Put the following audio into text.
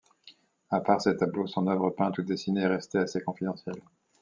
À part ces tableaux, son œuvre peinte ou dessinée est restée assez confidentielle.